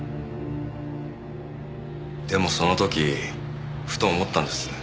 でもその時ふと思ったんです。